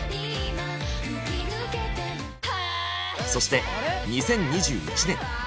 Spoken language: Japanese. そして２０２１年。